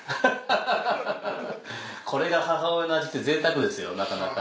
これが母親の味ってぜいたくですよなかなか。